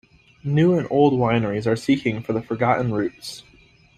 New and old wineries are seeking for the forgotten roots.